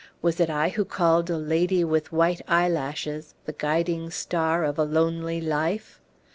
Was it I who called a lady with white eyelashes 'the guiding star of a lonely life?'